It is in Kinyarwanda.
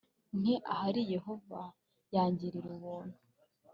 nti ahari yehova yangirira ubuntu